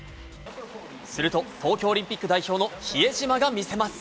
すると、東京オリンピック代表の比江島が見せます。